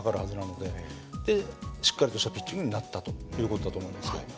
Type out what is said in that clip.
でしっかりとしたピッチングになったという事だと思いますけど。